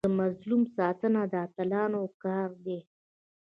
د مظلوم ساتنه د اتلانو کار دی.